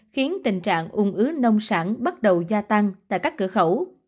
khiến tình trạng ung ứ nông sản bắt đầu gia tăng tại các cửa khẩu